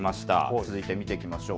続いて見ていきましょう。